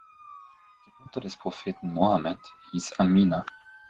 Die Mutter des Propheten Mohammed hieß Amina.